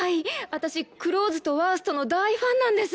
私『クローズ』と『ワースト』の大ファンなんです。